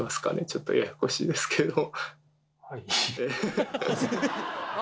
ちょっとややこしいですけど。